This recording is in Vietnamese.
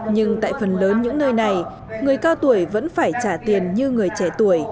nhưng tại phần lớn những nơi này người cao tuổi vẫn phải trả tiền như người trẻ tuổi